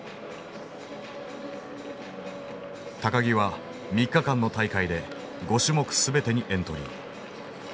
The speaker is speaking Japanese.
木は３日間の大会で５種目全てにエントリー。